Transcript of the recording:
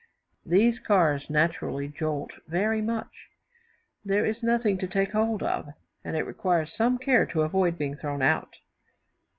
These cars naturally jolt very much. There is nothing to take hold of, and it requires some care to avoid being thrown out.